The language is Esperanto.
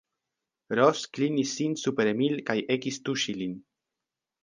Ros klinis sin super Emil kaj ekis tuŝi lin.